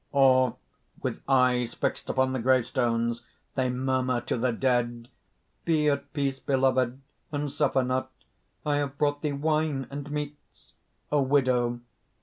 (Or, with eyes fixed upon the gravestones, they murmur to the dead: ) "Be at peace, beloved! and suffer not! I have brought thee wine and meats!" A WIDOW.